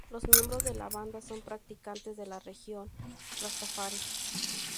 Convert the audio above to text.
Los miembros de la banda son practicantes de la religión Rastafari.